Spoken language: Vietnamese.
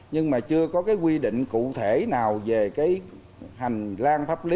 nhưng mà chưa có cái quy định cụ thể nào về cái hành lang pháp lý